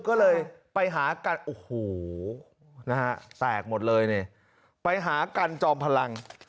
ก็เลยไปหากันโอ้โหนะฮะแตกหมดเลยนี่ไปหากันจอมพลัง